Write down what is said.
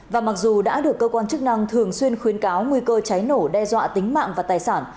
và mặc dù đã được cơ quan chức năng thường xuyên khuyến cáo nguy cơ cháy nổ đe dọa tính mạng và tài sản